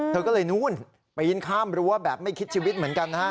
เธอก็เลยนู่นปีนข้ามรั้วแบบไม่คิดชีวิตเหมือนกันนะฮะ